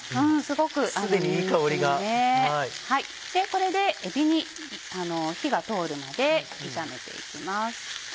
これでえびに火が通るまで炒めて行きます。